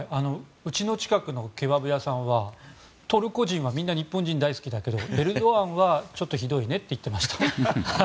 うちの近くのケバブ屋さんはトルコ人はみんな日本人大好きだけどエルドアンはちょっと、ひどいねって言ってました。